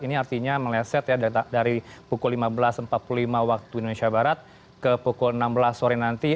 ini artinya meleset ya dari pukul lima belas empat puluh lima waktu indonesia barat ke pukul enam belas sore nanti